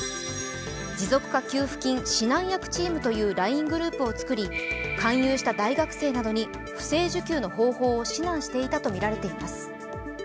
持続化給付金指南役チームというＬＩＮＥグループをつくり勧誘した大学生などに不正受給の方法を指南していたとみられています。